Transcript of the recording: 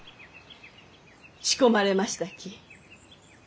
仕込まれましたき。